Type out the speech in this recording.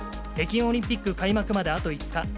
北京オリンピック開幕まであと５日。